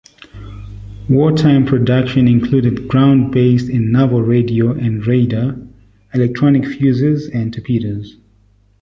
Wartime production included ground-based and naval radio and radar, electronic fuses, and torpedoes.